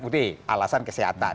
udah alasan kesehatan